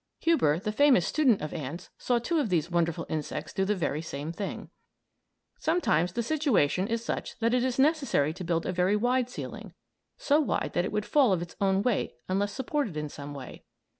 Huber, the famous student of ants, saw two of these wonderful insects do the very same thing. Sometimes the situation is such that it is necessary to build a very wide ceiling, so wide that it would fall of its own weight unless supported in some way.